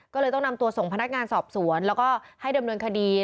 ก็เลยต้องนำตัวส่งพนักงานสอบสวนแล้วก็ให้ดำเนินคดี